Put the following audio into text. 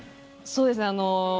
そうですね。